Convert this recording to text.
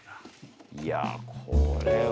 いやこれは。